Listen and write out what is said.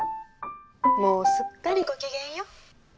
もうすっかりごきげんよ。